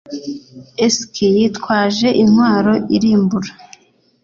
Ezk yitwaje intwaro irimbura